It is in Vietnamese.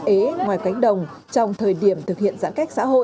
tình trạng ế ngoài cánh đồng trong thời điểm thực hiện giãn cách xã hội